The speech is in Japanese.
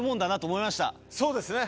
そうですね。